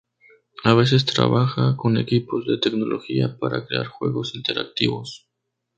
A veces trabaja con equipos de tecnología para crear juegos interactivos.